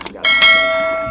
nggak ada apa apa